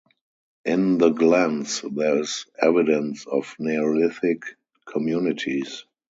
In the Glens there is evidence of Neolithic communities.